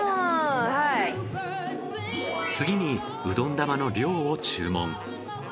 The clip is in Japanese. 次にうどん玉の量を注文。